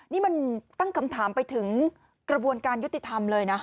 นี่มันตั้งคำถามไปถึงกระบวนการยุติธรรมเลยนะ